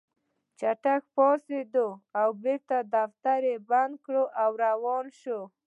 چټک پاڅېد بېرته يې دفتر بند کړ او روان شو.